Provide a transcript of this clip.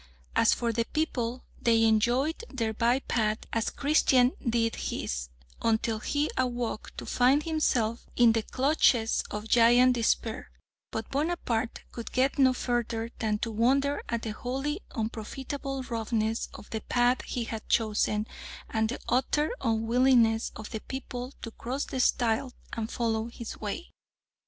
As for the people, they enjoyed their bypath as Christian did his until he awoke to find himself in the clutches of Giant Despair; but Bonaparte could get no further than to wonder at the wholly unprofitable roughness of the path he had chosen, and the utter unwillingness of the people to cross the stile and follow his way.